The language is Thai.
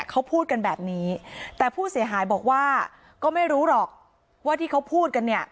เขาพูดกันแบบนี้แต่ผู้เสียหายบอกว่าก็ไม่รู้หรอกว่าที่เขาพูดกันเนี่ย